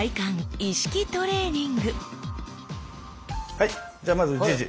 はいじゃあまずじいじ。